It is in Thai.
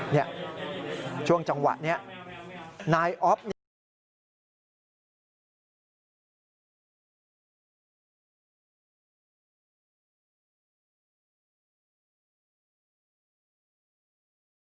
นี่ช่วงจังหวะนี้นายอ๊อฟ